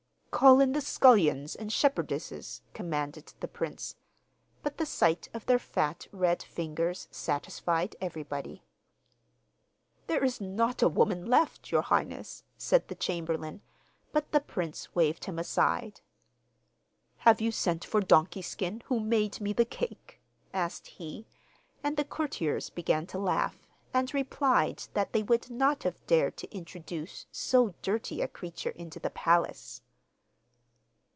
'Call in the scullions and shepherdesses,' commanded the prince; but the sight of their fat, red fingers satisfied everybody. 'There is not a woman left, your Highness,' said the chamberlain; but the prince waved him aside. 'Have you sent for "Donkey Skin," who made me the cake?' asked he, and the courtiers began to laugh, and replied that they would not have dared to introduce so dirty a creature into the palace.